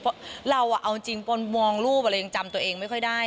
เพราะเราเอาจริงคนมองรูปเรายังจำตัวเองไม่ค่อยได้